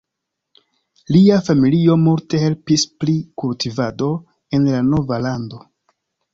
Lia familio multe helpis pri kultivado en la nova lando.